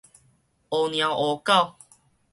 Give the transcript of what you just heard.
烏貓烏狗